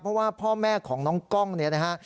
เพราะว่าพ่อแม่ของน้องกล้องเนี่ยนะฮะ